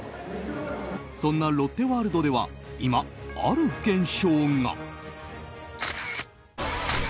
そんなロッテワールドでは今、ある現象が。